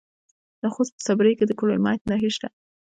د خوست په صبریو کې د کرومایټ نښې شته.